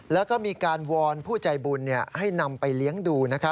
แล้วก็มีการวอนผู้ใจบุญให้นำไปเลี้ยงดู